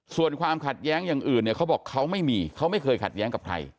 ส่วนความขัดแย้งอย่างอื่นเนี่ยเขาบอกเขาไม่มีเขาไม่เคยขัดแย้งกับใคร